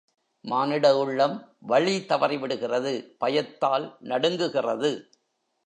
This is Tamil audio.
மானிட உள்ளம் வழி தவறிவிடுகிறது பயத்தால் நடுங்குகிறது.